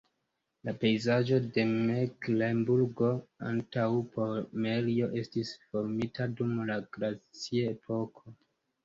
La pejzaĝo de Meklenburgo-Antaŭpomerio estis formita dum la glaciepoko.